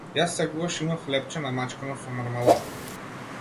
Јас секогаш имав лепче намачкано со мармалад.